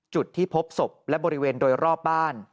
จุดที่พบศพและบริเวณโดยรอบบ้าน